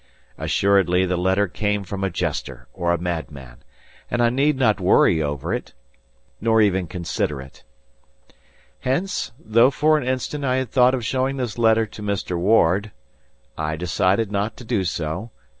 Assuredly the letter came from a jester or a madman; and I need not worry over it, nor even consider it. Hence, though for an instant I had thought of showing this letter to Mr. Ward, I decided not to do so.